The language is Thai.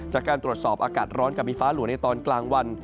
จากการตรวจสอบอากาศร้อนกับมีฟ้าหลวงในตอนกลางวัน